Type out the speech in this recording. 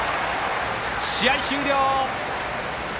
試合終了！